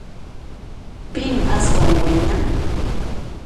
Pin aswan wayna?